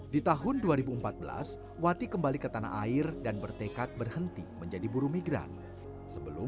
seribu sembilan ratus sembilan puluh enam di tahun dua ribu empat belas wati kembali ke tanah air dan bertekad berhenti menjadi buru migran sebelum